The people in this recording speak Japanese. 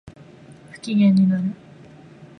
不機嫌になる